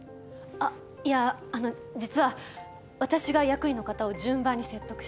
あっいやあの実は私が役員の方を順番に説得して。